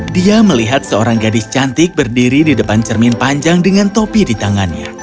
dia melihat seorang gadis cantik berdiri di depan cermin panjang dengan topi di tangannya